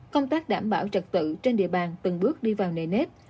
công tác đảm bảo trật tự trên địa bàn từng bước đi vào nề nếp